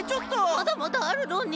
まだまだあるのに。